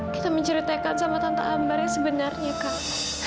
kita menceritakan sama tante ambar yang sebenarnya kak